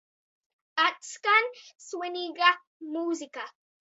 Atskan svin?ga m?zika.